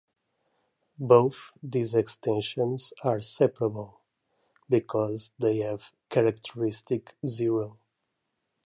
Both these extensions are separable, because they have characteristic zero.